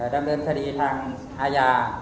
ดำเนินคดีทางอาญา